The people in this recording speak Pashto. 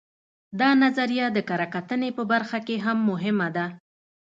دا نظریه د کره کتنې په برخه کې هم مهمه ده